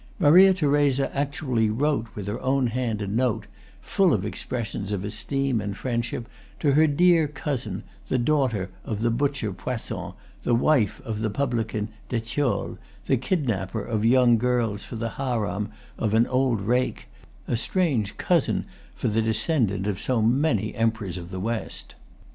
Maria Theresa actually wrote with her own hand a note, full of expressions of esteem and friendship, to her dear cousin, the daughter of the butcher Poisson, the wife of the publican D'Etioles, the kidnapper of young girls for the haram of an old rake, a strange cousin for the descendant of so many Emperors of the West!